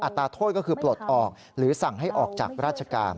ตราโทษก็คือปลดออกหรือสั่งให้ออกจากราชการ